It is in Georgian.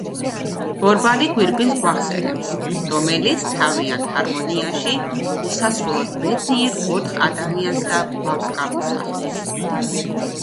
ბორბალი გვირგვინს გვახსენებს, რომელიც თავიანთ ჰარმონიაში უსასრულოდ ბედნიერ ოთხ ადამიანს და ბავშვს გამოსახავს.